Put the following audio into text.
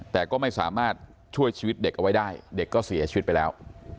แต่ก็ไม่สามารถช่วยชีวิตเด็กเอาไว้ได้เด็กก็เสียชีวิตไปแล้ว